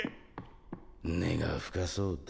根が深そうだ。